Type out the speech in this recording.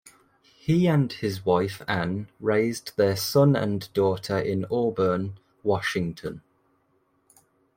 He and his wife Ann raised their son and daughter in Auburn, Washington.